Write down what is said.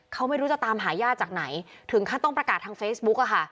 เขาไม่รู้จะตามหาญาติจากไหนถึงขั้นต้องประกาศทางเฟซบุ๊กอะค่ะ